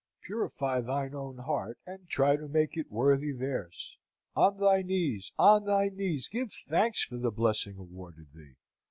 Purify thine own heart, and try to make it worthy theirs. On thy knees, on thy knees, give thanks for the blessing awarded thee!